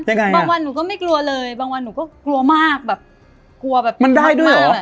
ยังไงบางวันหนูก็ไม่กลัวเลยบางวันหนูก็กลัวมากแบบกลัวแบบมันได้ด้วยเหรอ